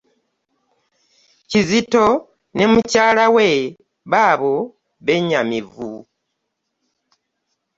Kizito ne mukyala we baabo bennyamivu.